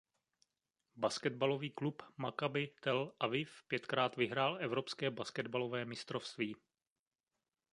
Basketbalový klub Maccabi Tel Aviv pětkrát vyhrál Evropské basketbalové mistrovství.